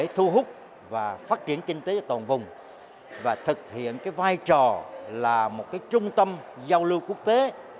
thu hút và phát triển kinh tế toàn vùng và thực hiện vai trò là một trung tâm giao lưu quốc tế